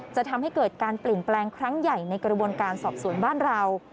จะทำให้เกิดการเปลี่ยนแปลงครั้งใหญ่ในกระบวนการสอบสวนบ้านเรา